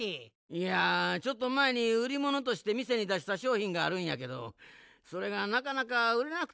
いやちょっとまえにうりものとしてみせにだしたしょうひんがあるんやけどそれがなかなかうれなくてな。